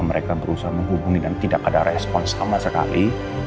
mereka berusaha menghubungi dan tidak ada respons sama sekali